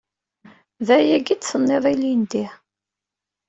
D ayagi i d-tenniḍ ilindi.